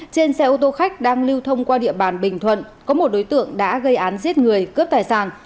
trên xe ô tô khách đang lưu thông qua địa bàn bình thuận có một đối tượng đã gây án giết người cướp tài sản